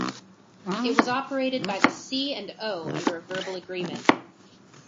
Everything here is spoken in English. It was operated by the C and O under a verbal agreement.